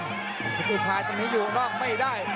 คุณผู้ห่างไทยตรงนี้อยู่ออกไม่ได้